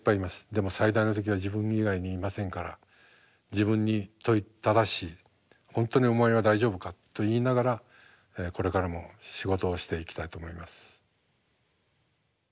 でも最大の敵は自分以外にいませんから自分に問いただし「本当にお前は大丈夫か」と言いながらこれからも仕事をしていきたいと思います。